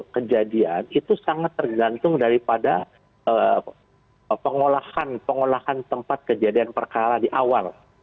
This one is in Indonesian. kejadian itu sangat tergantung daripada pengolahan tempat kejadian perkara di awal